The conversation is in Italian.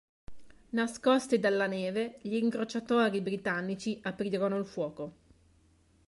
Nascosti dalla neve, gli incrociatori britannici aprirono il fuoco.